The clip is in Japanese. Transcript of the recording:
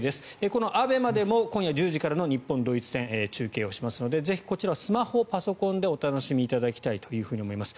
このＡＢＥＭＡでも今夜１０時からの日本、ドイツ戦中継しますのでぜひこちらはスマホ、パソコンでお楽しみいただきたいと思います。